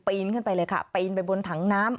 ไปอินขึ้นไปเลยค่ะไปอินไปบนถังน้ำ